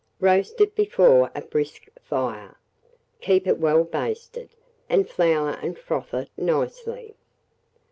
Roast it before a brisk fire, keep it well basted, and flour and froth it nicely.